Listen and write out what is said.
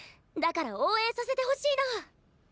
だから応援させてほしいの。